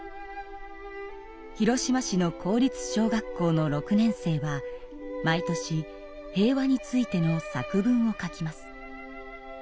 広島市の公立小学校の６年生は毎年平和についての作文を書きます。